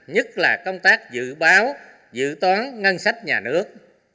nhất là công tác dự báo dự toán ngân sách nhà nước